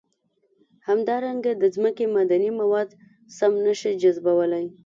همدارنګه د ځمکې معدني مواد سم نه شي جذبولی.